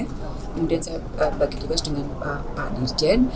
kemudian saya bagi tugas dengan pak dirjen